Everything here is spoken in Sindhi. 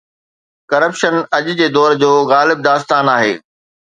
ڪرپشن اڄ جي دور جو غالب داستان آهي.